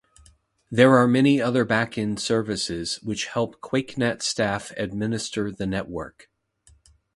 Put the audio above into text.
There are many other backend services which help QuakeNet staff administer the network.